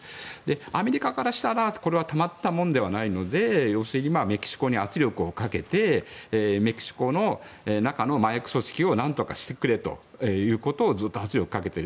アメリカからしたらこれはたまったものではないのでメキシコに圧力をかけてメキシコの中の麻薬組織をなんとかしてくれということをずっと圧力をかけている。